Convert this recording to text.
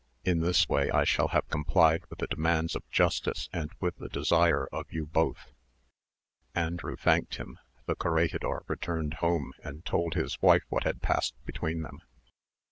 In this way I shall have complied with the demands of justice and with the desire of you both." Andrew thanked him; the corregidor returned home, and told his wife what had passed between them.